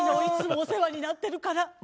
いつもお世話になってるから。